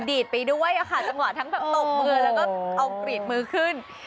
ดีดไปด้วยค่ะจังหวะทั้งแบบตบมือแล้วก็เอากรีดมือขึ้น